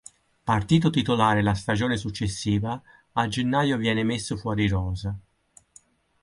Partito titolare la stagione successiva, a gennaio viene messo fuori rosa.